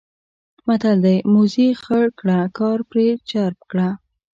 متل دی: موزي خر کړه کار پرې چرب کړه.